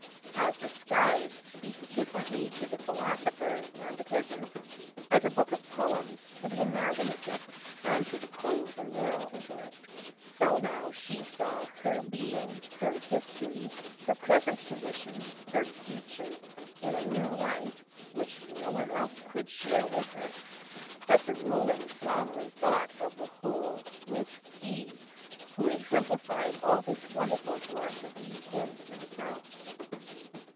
As the skies speak differently to the philosopher and the peasant, as a book of poems to the imaginative and to the cold and narrow intellect, so now she saw her being, her history, her present condition, her future, in a new light, which no one else could share with her. But the ruling sovereign thought of the whole was He, who exemplified all this wonderful philosophy in Himself.